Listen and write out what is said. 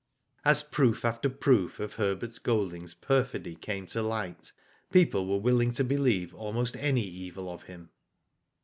As proof after proof of Herbert Golding's perfidy came to light, people were willing to believe almost any evil of him.